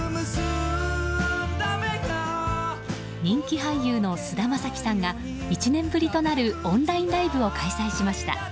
人気俳優の菅田将暉さんが１年ぶりとなるオンラインライブを開催しました。